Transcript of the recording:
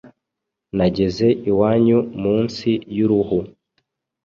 nageze iwanyu munsi y’uruhu